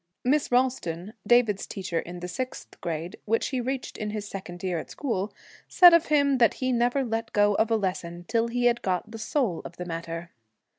Miss Ralston, David's teacher in the sixth grade, which he reached in his second year at school, said of him that he never let go of a lesson till he had got the soul of the matter.